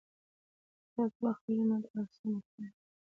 که تاسو وخت لرئ نو دا اثر مطالعه کړئ.